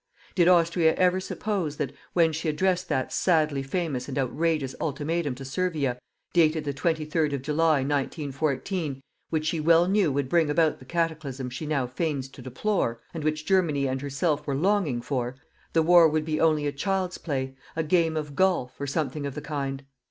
Did Austria ever suppose that, when she addressed that sadly famous and outrageous ultimatum to Servia, dated the 23rd of July, 1914, which she well knew would bring about the cataclysm she now feigns to deplore and which Germany and herself were longing for the war would be only a child's play, a game of golf, or something of the kind?